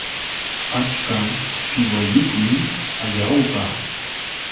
Achka qiwayuqmi Ayawka